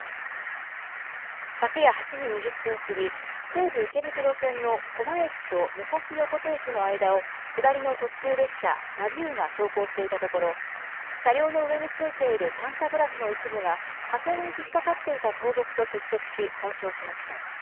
昨夜８時２０分過ぎ、西武池袋線の高麗駅と武蔵横手駅の間を、下りの特急列車、ラビューが走行していたところ、車両の上に付いているパンタグラフの一部が架線に引っ掛かっていた倒木と接触し、損傷しました。